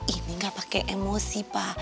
ini gak pake emosi pa